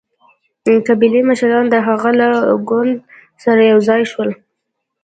قبایلي مشران د هغه له ګوند سره یو ځای شول.